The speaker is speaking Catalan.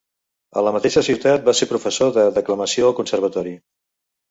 A la mateixa ciutat va ser professor de declamació al conservatori.